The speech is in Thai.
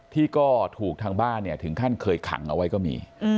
ที่ก็ถูกทางบ้านถึงขั้นเคยขังเอาไว้ก็มี